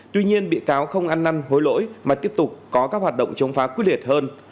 tuy nhiên bị cáo không ăn năn hối lỗi mà tiếp tục có các hoạt động chống phá quyết liệt hơn